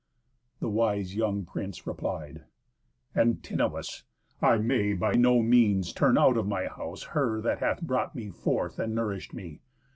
The wise young prince replied: "Antinous! I may by no means turn out of my house Her that hath brought me forth and nourish'd me.